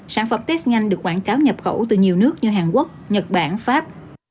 sản phẩm xét nghiệm nhanh được quảng cáo nhập khẩu từ nhiều nước như hàn quốc nhật bản pháp